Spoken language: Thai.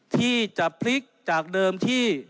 ที่จะพลิกจากเดิมที่